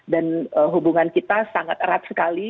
dan hubungan kita sangat erat sekali